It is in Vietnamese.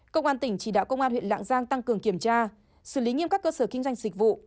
công an tỉnh chỉ đạo công an huyện lạng giang tăng cường kiểm tra xử lý nghiêm các cơ sở kinh doanh dịch vụ